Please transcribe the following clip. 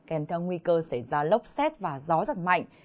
kèm theo nguy cơ xảy ra lốc xét và gió giật mạnh